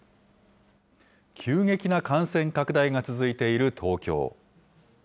急激な感染拡大が続いている東京。